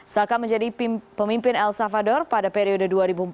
saka menjadi pemimpin el salvador pada periode dua ribu empat belas dua ribu